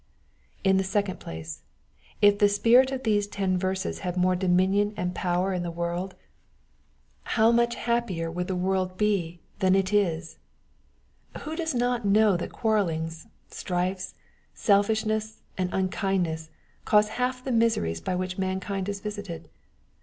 In the second place, if the spirit of these ten verses had more dominion and power in the world, how much 46 EXPOSITORY THOUGHTS. happier the world would be than it is. . Who does not know that qaarrelUngs, strifes, selfishness, and unkind ness cause half the miseries by which mankind is visited